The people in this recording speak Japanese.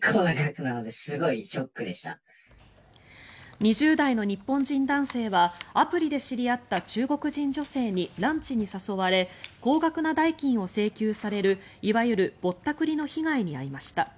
２０代の日本人男性はアプリで知り合った中国人女性にランチに誘われ高額な代金を請求されるいわゆるぼったくりの被害に遭いました。